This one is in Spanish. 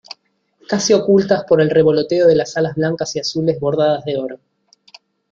casi ocultas por el revoloteo de las alas blancas y azules bordadas de oro.